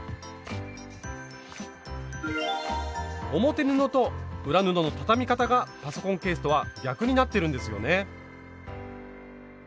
表布と裏布の畳み方がパソコンケースとは逆になってるんですよね。